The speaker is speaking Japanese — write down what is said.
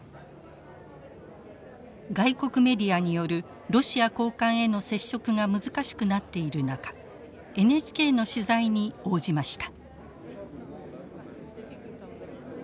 外国メディアによるロシア高官への接触が難しくなっている中ＮＨＫの取材に応じました。